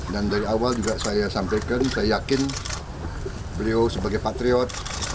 dan dari awal juga saya sampaikan saya yakin beliau sebagai patriot